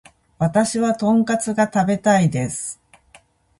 私はトンカツが食べたいです